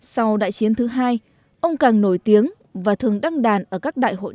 sau đại chiến thứ hai ông càng nổi tiếng và thường đăng đàn ở các đại hội